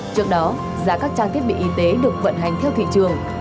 trước đó giá các trang thiết bị y tế được vận hành theo thị trường